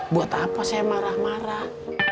buat apa saya marah marah